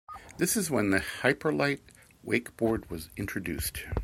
This is when the Hyperlite wakeboard was introduced.